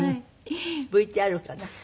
ＶＴＲかな？